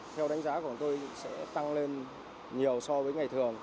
theo đánh giá của chúng tôi sẽ tăng lên nhiều so với ngày thường